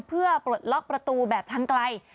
เพื่อปลดล็อกประตูแบบทางไกล